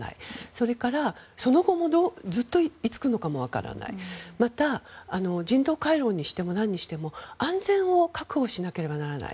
それから、その後もずっと居着くのかもわからないまた、人道回廊にしても何にしても安全を確保しなければならない。